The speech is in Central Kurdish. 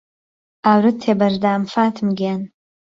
ئاورت تێ بهردام فاتم گیان